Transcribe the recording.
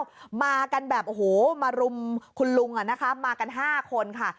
แล้วมากันแบบโอ้โหมารุมคุณลุงอ่ะนะคะมากัน๕คนค่ะ